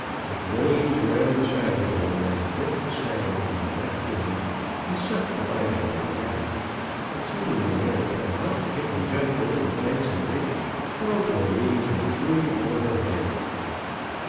With reins round the saddle horn, I gripped the saddle with my left hand and sucked the bite on my right, but suddenly the mare took a hop skip and jump over the fence and ditch; fell to her knees, and threw me over her head.